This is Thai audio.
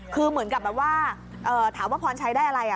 คือเหมือนกับแบบว่าถามว่าพรชัยได้อะไร